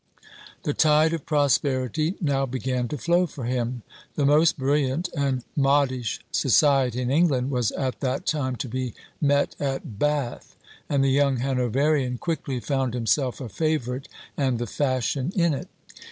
The tide of prosperity now began to flow for him. The most brilliant and modish society in England was at that time to be met at Bath, and the young Hanoverian quickly found himself a favourite and the fashion in it.